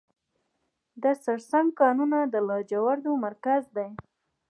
د سرسنګ کانونه د لاجوردو مرکز دی